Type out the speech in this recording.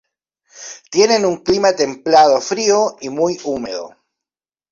Tienen un clima templado-frío y muy húmedo.